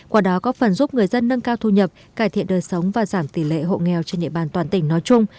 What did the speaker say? qua đó có phần giúp người dân nâng cao thu nhập cải thiện đời sống và giảm tỷ lệ hộ nghèo trên địa bàn toàn tỉnh nói chung